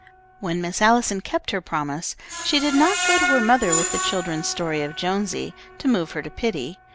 When Miss Allison kept her promise she did not go to her mother with the children's story of Jonesy, to move her to pity.